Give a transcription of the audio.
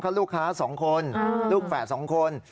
เพราะลูกค้าสองคนลูกแฝดสองคน